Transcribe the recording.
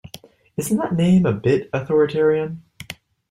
Isn’t that name a bit authoritarian?